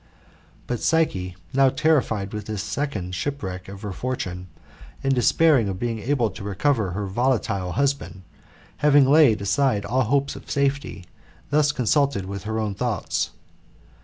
But Psyche, now terrified with this second shipwreck of her fortune, and despairing of being able to recover her volatile husband, having laid aside all hope of safety, thus consulted with her own thoughts.